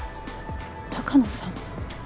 鷹野さん？